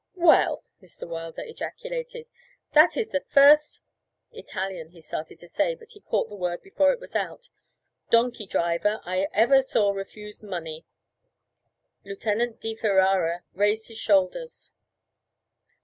'Well!' Mr. Wilder ejaculated. 'That is the first ' 'Italian' he started to say, but he caught the word before it was out 'donkey driver I ever saw refuse money.' Lieutenant di Ferara raised his shoulders.